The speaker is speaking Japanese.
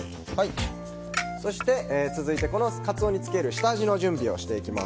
そして続いてカツオに漬ける下味の準備をしていきます。